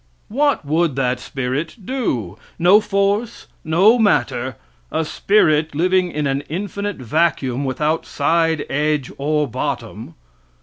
What would that spirit do? No force no matter a spirit living in an infinite vacuum without side, edge or bottom.